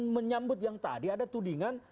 menyambut yang tadi ada tudingan